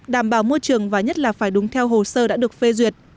đảm bảo môi trường và nhất là phải đúng theo hồ sơ đã được phê duyệt